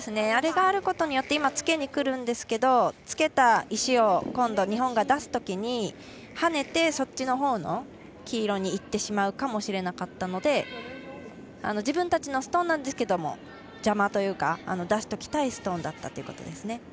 あれがあることによってつけにくるんですけどつけた石を今度、日本が出すとき跳ねて、そっちのほうの黄色に行ってしまうかもしれなかったので自分たちのストーンなんですが邪魔というか出しておきたいストーンだったということですね。